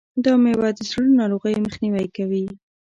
دا مېوه د زړه ناروغیو مخنیوی کوي.